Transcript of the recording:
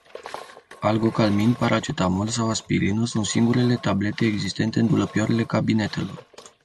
Algocalmin, paracetamol sau aspirină sunt singurele tablete existente în dulăpioarele cabinetelor.